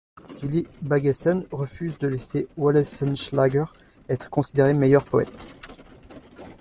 En particulier Baggesen refuse de laisser Oehlenschläger être considéré meilleur poète.